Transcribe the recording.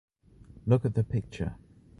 Look at the picture.